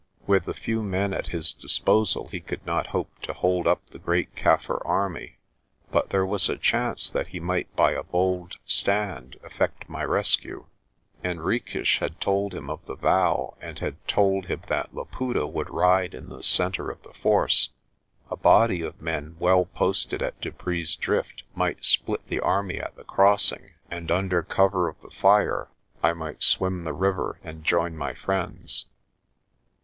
With the few men at his disposal he could not hope to hold up the great Kaffir army but there was a chance that he might by a bold stand effect my rescue. Henriques had told him of the vow and had told him that Laputa would ride in the centre of the force. A body of men well posted at Dupree's Drift might split the army at the crossing and under cover of the fire I might swim the river and join my friends.